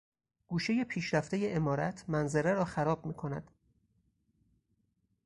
گوشهٔ پیشرفته عمارت منظره را خراب میکند.